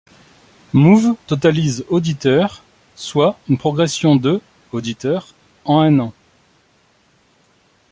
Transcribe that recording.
Mouv' totalise auditeurs soit une progression de auditeurs en un an.